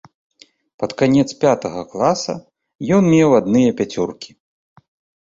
Пад канец пятага класа ён меў адныя пяцёркі.